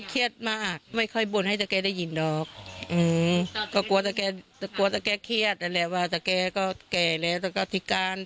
เครียดมากไม่ค่อยบนให้ตาแกได้ยินออกเอื้อตาแก